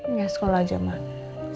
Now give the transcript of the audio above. enggak sekolah aja mak